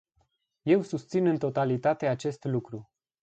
Eu susțin în totalitate acest lucru.